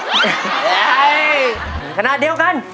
ขณะเดียวกัน